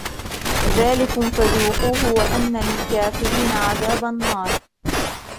ذَلِكُمْ فَذُوقُوهُ وَأَنَّ لِلْكَافِرِينَ عَذَابَ النَّارِ